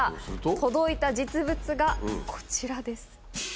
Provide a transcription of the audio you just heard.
届いた実物がこちらです。